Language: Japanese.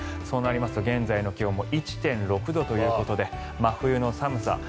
そうなりますと現在の気温も１．６度ということで真冬の寒さ。